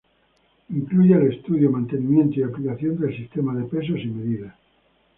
Incluye el estudio, mantenimiento y aplicación del sistema de pesos y medidas.